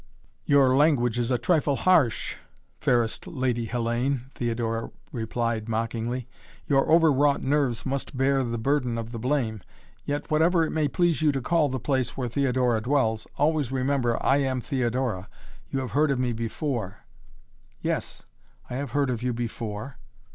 "Your language is a trifle harsh, fairest Lady Hellayne," Theodora replied mockingly. "Your over wrought nerves must bear the burden of the blame. Yet, whatever it may please you to call the place where Theodora dwells, always remember, I am Theodora. You have heard of me before." "Yes I have heard of you before!"